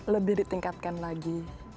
lebih ditingkatkan lagi